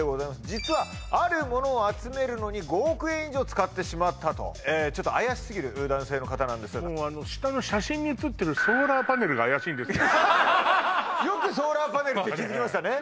実はあるものを集めるのに５億円以上使ってしまったとちょっと怪しすぎる男性の方なんですが下の写真に写ってるよくソーラーパネルって気づきましたね